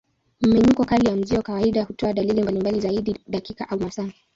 Mmenyuko kali ya mzio kawaida hutoa dalili mbalimbali zaidi ya dakika au masaa.